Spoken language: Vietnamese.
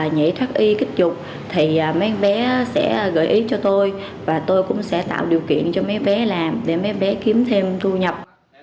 nhảy thoát y kích chụp thì mấy bé sẽ gợi ý cho tôi và tôi cũng sẽ tạo điều kiện cho mấy bé làm để mấy bé kiếm thêm thu nhập